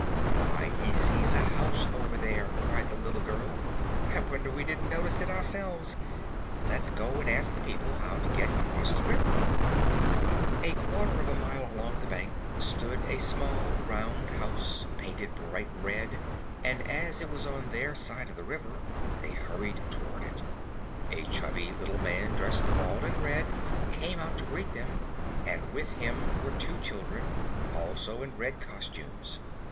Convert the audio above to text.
"Why, he sees a house over there!" cried the little girl. "I wonder we didn't notice it ourselves. Let's go and ask the people how to get 'cross the river." A quarter of a mile along the bank stood a small, round house, painted bright red, and as it was on their side of the river they hurried toward it. A chubby little man, dressed all in red, came out to greet them, and with him were two children, also in red costumes.